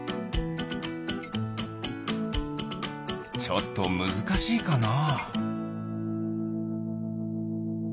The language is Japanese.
ちょっとむずかしいかな？